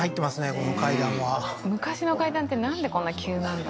この階段は昔の階段ってなんでこんな急なんだ？